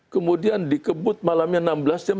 kemudian dikebut malamnya enam belas jam